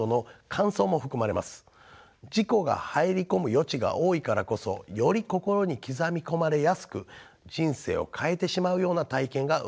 自己が入り込む余地が多いからこそより心に刻み込まれやすく人生を変えてしまうような体験が生まれやすいのでしょう。